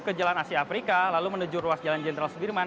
ke jalan asia afrika lalu menuju ruas jalan jenderal sudirman